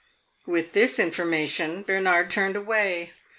With this information Bernard turned away.